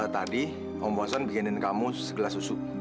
tadi om bosan bikinin kamu segelas susu